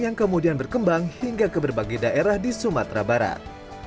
yang kemudian berkembang hingga ke berbagai daerah di sumatera barat